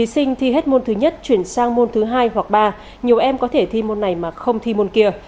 thí sinh thi hết môn thứ nhất chuyển sang môn thứ hai hoặc ba nhiều em có thể thi môn này mà không thi môn kia